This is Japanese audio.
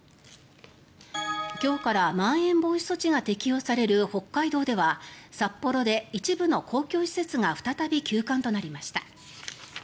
今日からまん延防止措置が適用される北海道では札幌で一部の公共施設が再び休館となりました。